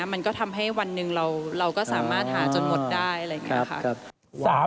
มันก็ทำให้วันหนึ่งเราก็สามารถหาจนหมดได้